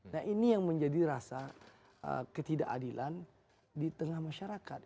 nah ini yang menjadi rasa ketidakadilan di tengah masyarakat